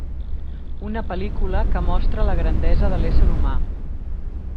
Una pel·lícula que mostra la grandesa de l'ésser humà.